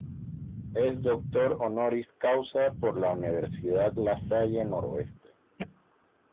Es Doctor Honoris Causa por la Universidad La Salle Noroeste.